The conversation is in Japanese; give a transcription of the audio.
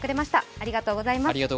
ありがとうございます。